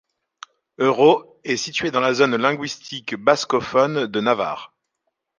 Erro est situé dans la zone linguistique bascophone de Navarre.